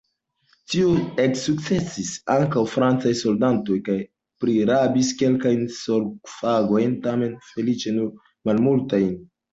Tion eksciis ankaŭ francaj soldatoj kaj prirabis kelkajn sarkofagojn, tamen feliĉe nur malmultajn.